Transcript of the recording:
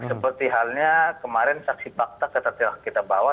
seperti halnya kemarin saksi fakta telah kita bawa